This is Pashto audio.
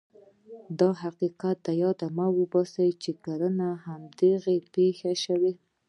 دا حقیقت له یاده ووځي چې کړنې هماغه دي چې پېښې شوې.